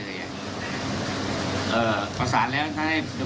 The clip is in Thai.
อ่าแล้วทำไมเราไม่ขอสารไปเลยไอ้คนท่านนั้นเรียกให้เลยอ่ะ